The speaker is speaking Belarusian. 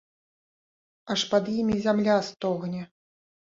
Аж пад імі зямля стогне!